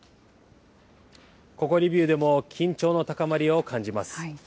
ここ、リビウでも緊張の高まりを感じます。